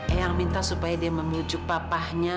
eang minta supaya dia memujuk papanya